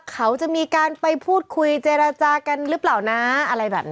เขาจะมีการไปพูดคุยเจรจากันหรือเปล่านะอะไรแบบนี้